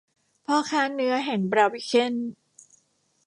พ่อค้าเนื้อแห่งบลาวิเคน